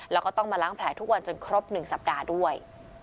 แล้วก็ต้องมาล้างแผลทุกวันจนครบ๑สัปดาห์ด้วย